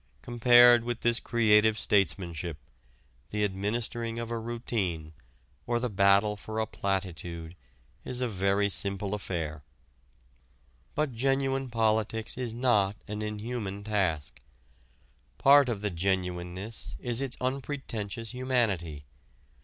Compared with this creative statesmanship, the administering of a routine or the battle for a platitude is a very simple affair. But genuine politics is not an inhuman task. Part of the genuineness is its unpretentious humanity.